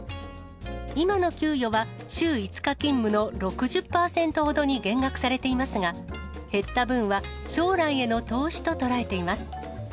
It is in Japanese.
今の給与は週５日勤務の６０％ほどに減額されていますが、減った分は将来への投資と捉えています。